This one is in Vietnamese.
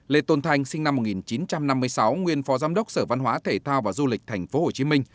lê tôn thành sinh năm một nghìn chín trăm năm mươi sáu nguyên phó giám đốc sở văn hóa thể thao và du lịch tp hcm